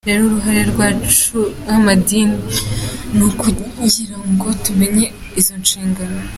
Rero uruhare rwacu nk’amadini ni ukugira ngo tumenye izo nshingano.